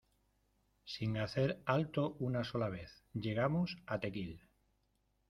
sin hacer alto una sola vez, llegamos a Tequil.